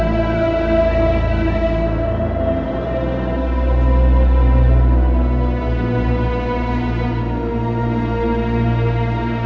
jangan lupa untuk berikan duit